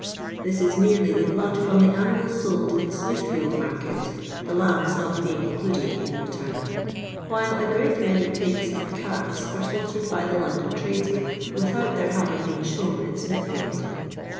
25,590 2,646,090 This is merely the blood from the animals sold in Smithfield market, the lambs not being included in the return ; while a great many pigs and calves are slaughtered by the London tradesmen, without their having been shown in Smithfield.